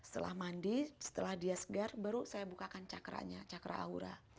setelah mandi setelah dia segar baru saya bukakan cakranya cakra aura